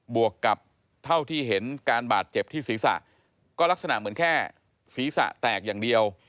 วกกับเท่าที่เห็นการบาดเจ็บที่ศีรษะก็ลักษณะเหมือนแค่ศีรษะแตกอย่างเดียว